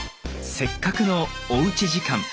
せっかくのおうち時間。